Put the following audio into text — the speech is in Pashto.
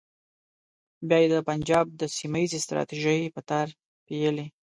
بیا یې د پنجاب د سیمه ییزې ستراتیژۍ په تار پېیلې.